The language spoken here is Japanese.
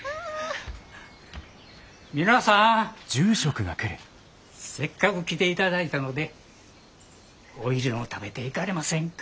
皆さんせっかく来ていただいたのでお昼でも食べていかれませんか？